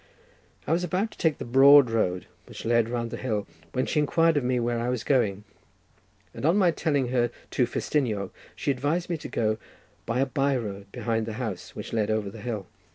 I was about to take the broad road, which led round the hill, when she inquired of me where I was going, and on my telling her to Festiniog, she advised me to go by a by road behind the house, which led over the hill.